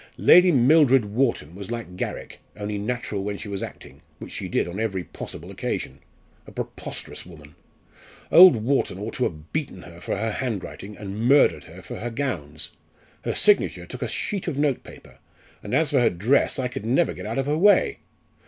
Lady Mildred Wharton was like Garrick, only natural when she was acting, which she did on every possible occasion. A preposterous woman! Old Wharton ought to have beaten her for her handwriting, and murdered her for her gowns. Her signature took a sheet of note paper, and as for her dress I never could get out of her way.